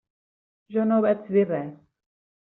Jo no vaig dir res.